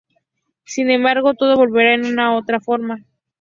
Sin embargo, todo volvería en una u otra forma.